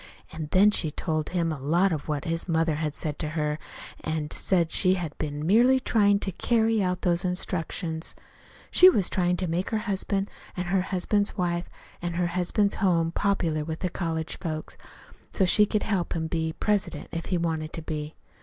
An' then she told him a lot of what his mother had said to her, an' she said she had been merely tryin' to carry out those instructions. She was tryin' to make her husband and her husband's wife an' her husband's home popular with the college folks, so she could help him to be president, if he wanted to be.